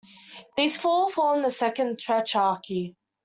These four formed the second tetrarchy.